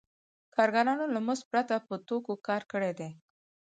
کارګرانو له مزد پرته په توکو کار کړی دی